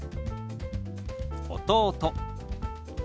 「弟」。